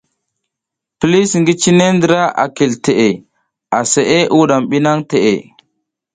Pilis ngi cine ndra a kil teʼe, aseʼe a wuɗam bi nang teʼe.